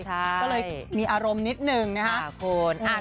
ก็เลยมีอารมณ์นิดหนึ่งนะคะคุณ